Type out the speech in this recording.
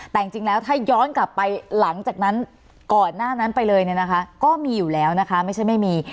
แต่จริงแล้วถ้าย้อนกลับไปหลังจากนั้นก่อนหน้านั้นไปเลยเนี่ยนะคะก็มีอยู่แล้วนะคะไม่ใช่ไม่มี